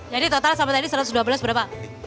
jadi total sama tadi rp satu ratus dua belas berapa